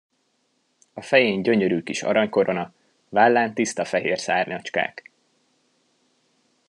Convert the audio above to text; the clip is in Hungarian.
A fején gyönyörű kis aranykorona, vállán tiszta fehér szárnyacskák.